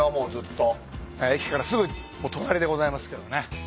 駅からすぐ隣でございますけどね。